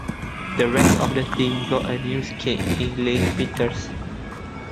The rest of the team got a new skip in Laine Peters.